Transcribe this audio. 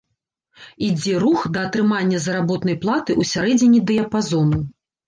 Ідзе рух да атрымання заработнай платы ў сярэдзіне дыяпазону.